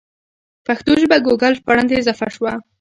پښتو ژبه ګوګل ژباړن ته اضافه شوه.